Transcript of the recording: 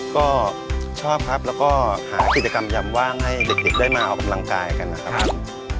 ก็ชอบครับแล้วก็หากิจกรรมยำว่างให้เด็กได้มาออกกำลังกายกันนะครับ